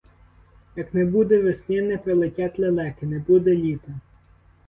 Як не буде весни, не прилетять лелеки, не буде літа?